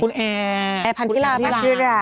คุณแอร์แอร์พันธุ์ธิราบะแอร์พันธุ์ธิราบ